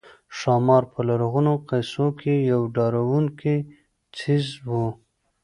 ښامار په لرغونو قصو کې یو ډارونکی څېز وو